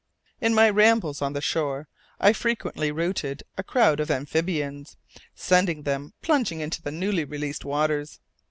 In my rambles on the shore, I frequently routed a crowd of amphibians, sending them plunging into the newly released waters.